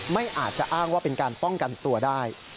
ไม่อาจจะอ้างว่าเป็นการป้องกันตัวได้